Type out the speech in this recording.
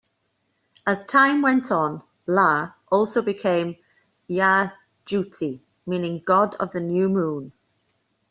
As time went on, Iah also became Iah-Djuhty, meaning god of the new moon.